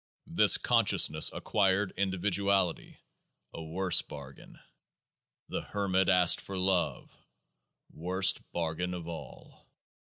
This consciousness acquired individuality : a worse bargain. The Hermit asked for love ; worst bargain of all.